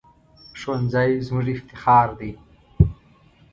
ښوونځی زموږ افتخار دی